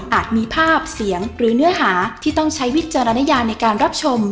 มีภาพเสียงหรือเนื้อหาที่ต้องใช้วิจารณญาในการรับชม